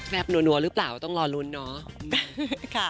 บนัวหรือเปล่าก็ต้องรอลุ้นเนาะ